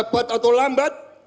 cepat atau lambat